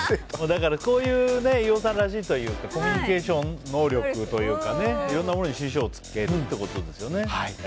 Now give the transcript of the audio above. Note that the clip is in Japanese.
だから、こういう飯尾さんらしいというかコミュニケーション能力というかねいろんなものに師匠をつけるってことですね。